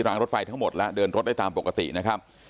รถไฟทั้งหมดและเดินรถได้ตามปกตินะครับ